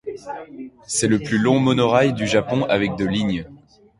C'est le plus long monorail du Japon avec de lignes.